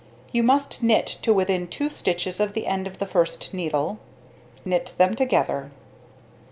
You must knit to within 2 stitches of the end of the 1st needle; knit them together.